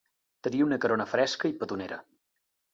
Tenia una carona fresca i petonera.